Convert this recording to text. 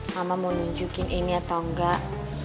mama mau nunjukin ini atau enggak